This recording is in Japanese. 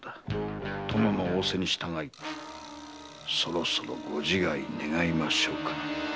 殿の仰せに従いそろそろご自害願いましょうか。